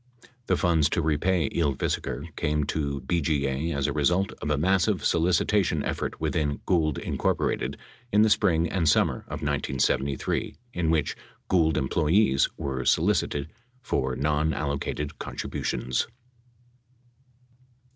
The funds to repay Ylvisaker came to BGA as a result of a massive solicitation effort within Gould, Inc., in the spring and summer of 1973 in which Gould employees were solicited for non allocated contributions.